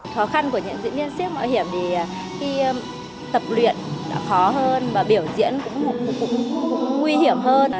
khó khăn của những diễn viên siếc mạo hiểm thì khi tập luyện đã khó hơn và biểu diễn cũng nguy hiểm hơn